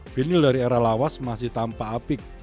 vinil dari arah lawas masih tampak apik